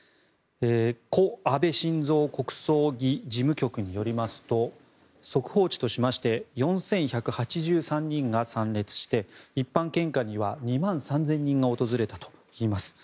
故安倍晋三国葬儀事務局によりますと速報値としまして４１８３人が参列して一般献花には２万３０００人が訪れたといいます。